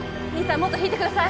もっと引いてください